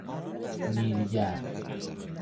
نیل گر